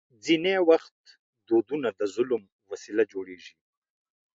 ځینې وخت دودونه د ظلم وسیله جوړېږي.